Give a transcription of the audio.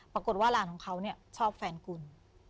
ปรากฏว่าหลานของเขาเนี่ยชอบแฟนคุณ